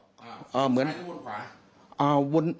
ทางไฟควรขวา